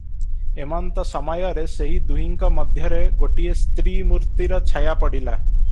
ଏମନ୍ତ ସମୟରେ ସେହି ଦୁହିଁଙ୍କ ମଧ୍ୟରେ ଗୋଟିଏ ସ୍ତ୍ରୀ ମୂର୍ତ୍ତିର ଛାୟା ପଡ଼ିଲା ।